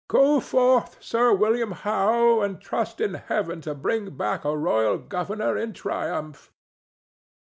"Go forth, Sir William Howe, and trust in Heaven to bring back a royal governor in triumph."